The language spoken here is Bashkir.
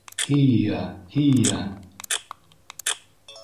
— Һи-йа, һи-йа!